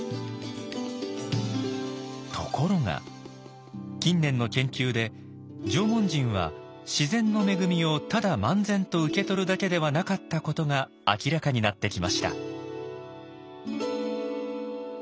ところが近年の研究で縄文人は自然の恵みをただ漫然と受け取るだけではなかったことが明らかになってきました。